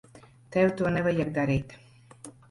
Tev to nevajag darīt.